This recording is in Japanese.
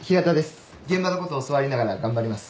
現場のこと教わりながら頑張ります。